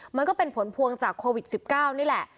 มันก็เป็นผลพวงจากโควิด๑๙นี่แหละ